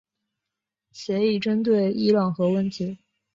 协议针对伊朗核问题。